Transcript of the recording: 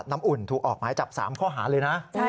น้ำอุ่นถูกออกไม้จับ๓ข้อหาเลยนะ